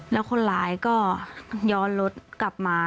แล้วคนร้ายก็ย้อนรถกลับมา